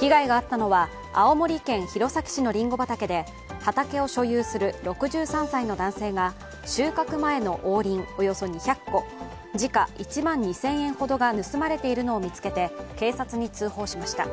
被害があったのは青森県弘前市のりんご畑で、畑を所有する６３歳の男性が収穫前の王林およそ２００個時価１万２０００円ほどが盗まれているのを見つけて警察に通報しました。